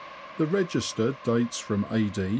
The register dates from A.D.